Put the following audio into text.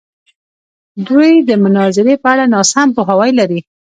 دوی د مناظرې په اړه ناسم پوهاوی لري.